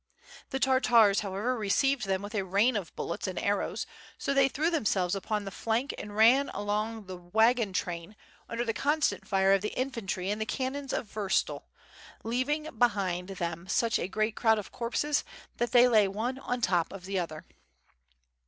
The Tartars however received them with a rain of bullets and arrows, so they threw themselves upon the flank and ran 7o8 WITH FIRE AND SWORD. along the wagon train under the constant fire of the infantry and the cannons of Vurtsel, leaving behind them such a great crowd of corpses that they lay one on top of the other.